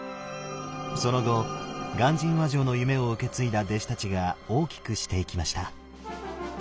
その後鑑真和上の夢を受け継いだ弟子たちが大きくしていきました。